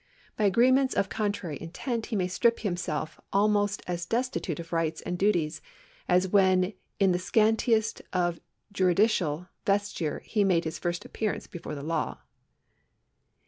By agreements of contrary intent he may strip himself almost as destitute of rights and duties, as when in the scantiest of juridical vesture he made his first appearance before the law.